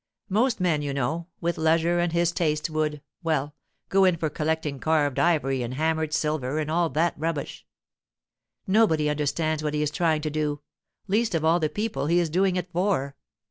Most men, you know, with leisure and his tastes would—well, go in for collecting carved ivory and hammered silver and all that rubbish. Nobody understands what he is trying to do, least of all the people he is doing it for.